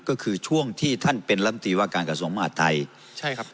ก็คือช่วงที่ท่านเป็นลำตีว่าการกระทรวงมหาดไทยใช่ครับ